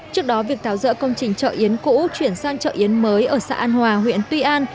trước đó việc tháo dỡ công trình chợ yến cũ chuyển sang chợ yến mới ở xã an hòa huyện tuy an